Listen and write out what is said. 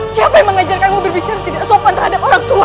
siapa yang mengajarkanmu berbicara tidak sopan terhadap orang tua